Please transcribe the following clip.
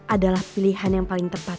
adalah untuk pangeran yang saya cintakan